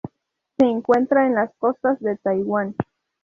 Se encuentra en las costas de Taiwán.